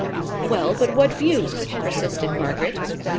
"Well, but what views?" persisted Margaret.